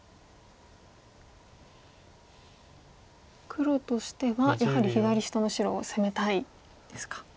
黒としてはやはり左下の白を攻めたいですか。